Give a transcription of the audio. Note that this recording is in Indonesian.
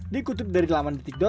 dikutip dari laman detik com